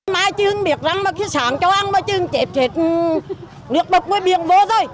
mai chưa biết rằng mà khi sáng cháu ăn mà chưa chép hết nước bọc của biệt vô rồi